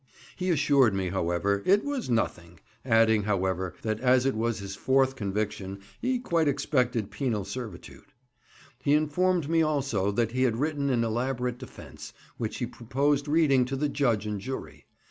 He assured me, however, it was "nothing," adding, however, that as it was his fourth conviction, he quite expected penal servitude. He informed me also that he had written an elaborate defence, which he proposed reading to the judge and jury.